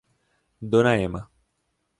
Dona Emma